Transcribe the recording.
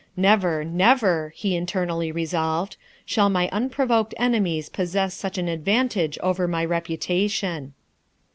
Never, never, he internally resolved, shall my unprovoked enemies possess such an advantage over my reputation.